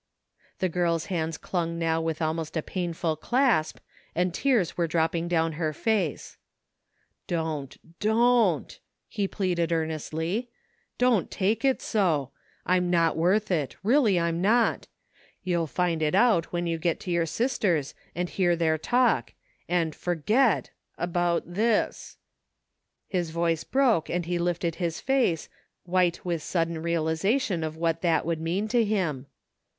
The girl's hands dung now with almost a painful clasp, and tears were dropping down her face. " Don't 1 Don't! '' he pleaded earnestly. " Don't take it so. I'm not worth it, really I'm not. You'll find it out when you get to yotu* sister's and hear her talk, and — forget — ^about this "— ^his voice broke and he lifted his face, white with sudden realization of what that would mean to him.